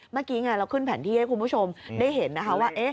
เมื่อกี้เราขึ้นแผนที่ให้คุณผู้ชมได้เห็นนะคะว่า